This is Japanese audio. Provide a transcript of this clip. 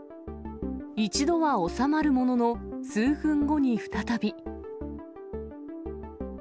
一度は収まるものの、数分後に再び。